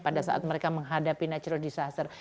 pada saat mereka menghadapi natural disaster